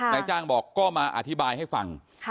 นายจ้างบอกก็มาอธิบายให้ฟัง